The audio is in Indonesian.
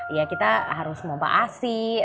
ya kita harus mumpa asik